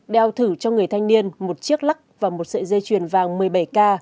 đeo thử cho người thanh niên một chiếc lắc và một sợi dây chuyền vàng một mươi bảy k